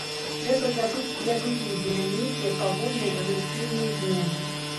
Трэба забыць і аб ілюзіі на нейкія павольныя эвалюцыйныя змены.